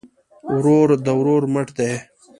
ورور د ورور مټ دی